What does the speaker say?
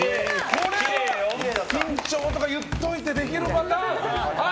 これは緊張とか言っておいてできるパターン！